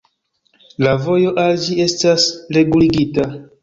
La vojo al ĝi estas reguligita.